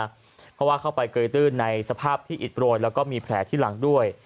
เพราะว่าเข้าไปเกยตื้นในสภาพที่อิดโรยแล้วก็มีแผลที่หลังด้วย